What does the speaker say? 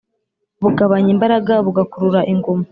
bugabanya imbaraga, bugakurura inguma.